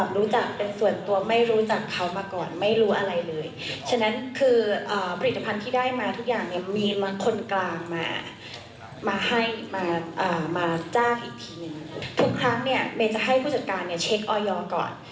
เมนจะให้ผู้จัดการเนี่ยเช็คออยอร์ก่อน